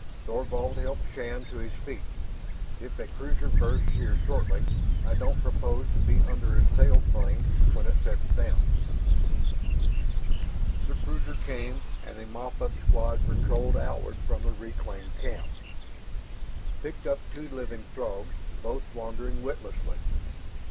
Thorvald helped Shann to his feet. "If a cruiser berths here shortly, I don't propose to be under its tail flames when it sets down." The cruiser came. And a mop up squad patrolled outward from the reclaimed camp, picked up two living Throgs, both wandering witlessly.